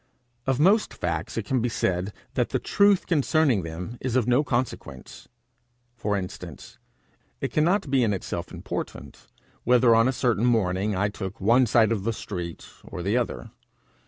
Of most facts it may be said that the truth concerning them is of no consequence. For instance, it cannot be in itself important whether on a certain morning I took one side of the street or the other.